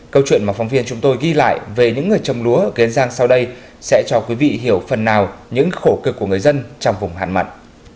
câu chuyện mà phóng viên chúng tôi ghi lại về những người trồng lúa ở kiên giang sau đây sẽ cho quý vị hiểu phần nào những khổ cực của người dân trong vùng hạn mặn